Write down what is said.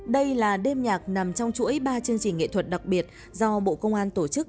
đây là đêm nhạc nằm trong chuỗi ba chương trình nghệ thuật đặc biệt do bộ công an tổ chức